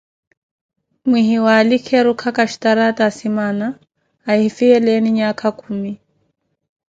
Mwihiwalikhe erukhaka staraata asimaana ahifiyeleeni nyaakha khuumi.